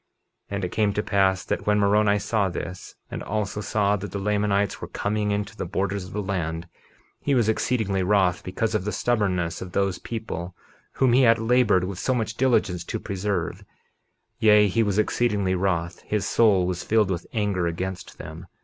51:14 And it came to pass that when Moroni saw this, and also saw that the Lamanites were coming into the borders of the land, he was exceedingly wroth because of the stubbornness of those people whom he had labored with so much diligence to preserve; yea, he was exceedingly wroth; his soul was filled with anger against them.